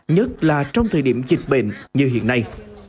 nhất là trong thời điểm dịch bệnh như hiện nay